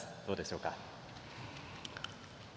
どうでしょうか？